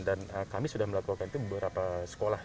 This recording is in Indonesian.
dan kami sudah melakukan itu beberapa sekolah